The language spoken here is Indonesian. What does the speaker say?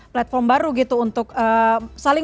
platform baru gitu untuk saling